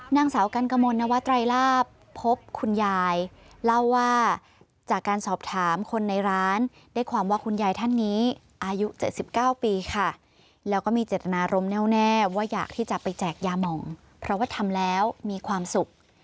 นางสาวกันกมลนวัตไรลาบพบคุณยายเล่าว่าจากการสอบถามคนในร้านได้ความว่าคุณยายท่านนี้อายุ๗๙ปีค่ะแล้วก็มีเจตนารมณแน่วแน่ว่าอยากที่จะไปแจกยาหม่องเพราะว่าทำแล้วมีความสุข